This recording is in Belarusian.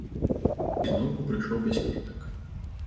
І зноўку прыйшоў без кветак.